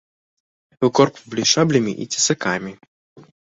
Выкорпвалі шаблямі і цесакамі.